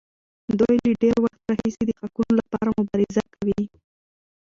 دوی له ډېر وخت راهیسې د حقونو لپاره مبارزه کوي.